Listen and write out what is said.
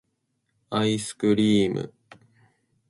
愛♡スクリ～ム!